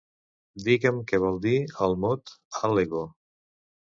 Digue'm què vol dir el mot al·lego.